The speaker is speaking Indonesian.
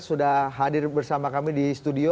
sudah hadir bersama kami di studio